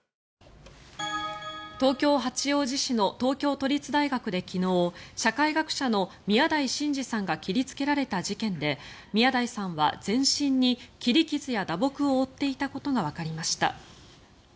東京・八王子市の東京都立大学で昨日社会学者の宮台真司さんが切りつけられた事件で宮台さんは全身に切り傷や打撲を負っていたことがわかりました。